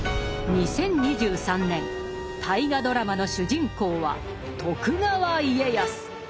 ２０２３年大河ドラマの主人公は徳川家康！